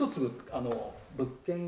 あの物件を。